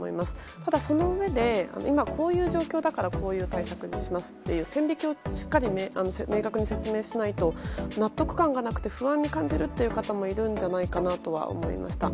ただ、そのうえで今、こういう状況だからこういう対策にしますという線引きをしっかりと明確に説明しないと納得感がなくて不安に感じるという方もいるんじゃないかなとは思いました。